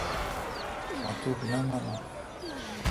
مہ توٹھ نہ مانوں